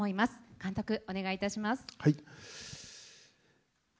監督、お願いいたします。